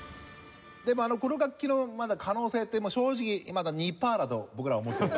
でもこの楽器の可能性って正直まだ２パーだと僕らは思って。